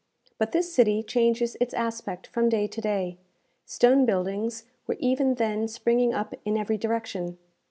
But this city changes its aspect from day to day. Stone buildings were even then springing up in every direction.